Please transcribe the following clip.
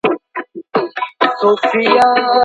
علمي مجله بې پوښتني نه منل کیږي.